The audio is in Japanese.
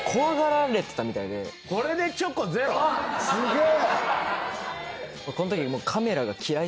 すげえ。